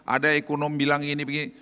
ada ekonom bilang ini begini